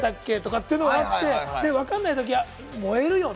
っていうのもあって、わからない時は燃えるよね？